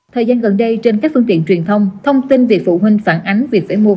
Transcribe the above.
thời gian gần đây trên các phương tiện truyền thông thông tin vì phụ huynh phản ánh việc phải mua